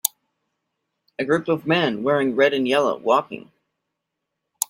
a group of men wearing red and yellow walking.